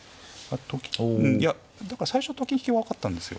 うんいやだから最初と金引きは分かったんですよ。